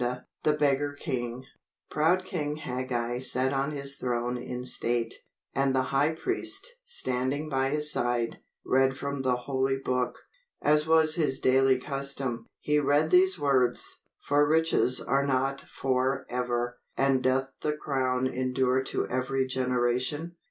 ] The Beggar King Proud King Hagag sat on his throne in state, and the high priest, standing by his side, read from the Holy Book, as was his daily custom. He read these words: "For riches are not for ever: and doth the crown endure to every generation?"